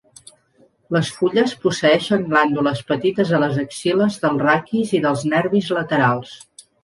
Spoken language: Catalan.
Les fulles posseeixen glàndules petites a les axil·les del raquis i dels nervis laterals.